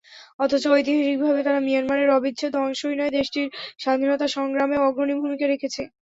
অথচ ঐতিহাসিকভাবে তারা মিয়ানমারের অবিচ্ছেদ্য অংশই নয়, দেশটির স্বাধীনতাসংগ্রামেও অগ্রণী ভূমিকা রেখেছে।